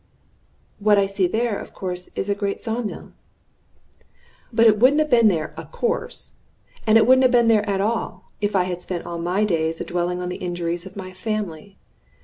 "What I see there, of course, is a great saw mill." "But it wouldn't have been 'of course,' and it wouldn't have been at all, if I had spent all my days a dwelling on the injuries of my family.